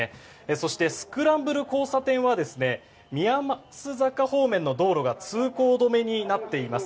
そして、スクランブル交差点は宮益坂方面の道路が通行止めになっています。